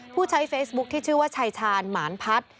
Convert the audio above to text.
ผู้ใช้เฟซบุ๊คที่ชื่อว่าชายชาญหมานพัฒน์